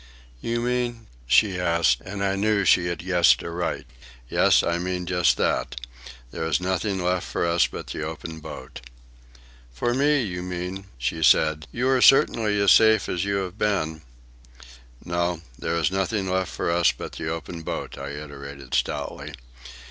"You mean—?" she asked, and I knew she had guessed aright. "Yes, I mean just that," I replied. "There is nothing left for us but the open boat." "For me, you mean," she said. "You are certainly as safe here as you have been." "No, there is nothing left for us but the open boat," I iterated stoutly.